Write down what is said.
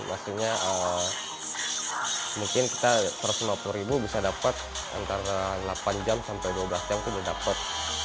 maksudnya mungkin kita satu ratus lima puluh ribu bisa dapat antara delapan jam sampai dua belas jam itu sudah dapat